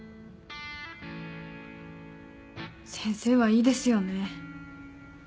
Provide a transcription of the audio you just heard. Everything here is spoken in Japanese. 先生はいいですよね。